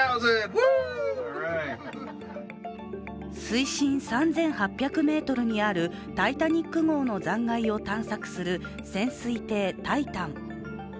水深３８００ｍにある「タイタニック」号の残骸を探索する、潜水艇「タイタン」。